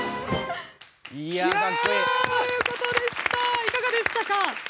いかがでしたか？